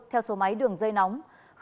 theo số máy đường dây nóng